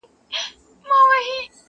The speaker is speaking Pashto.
له یوه ښاخه تر بله په هوا سو!